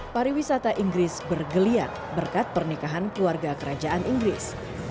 pariwisata inggris bergeliat berkat pernikahan keluarga kerajaan inggris